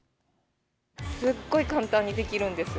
すっごい簡単にできるんですよ。